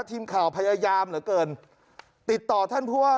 ทีมข่าวพยายามเหลือเกินติดต่อท่านผู้ว่า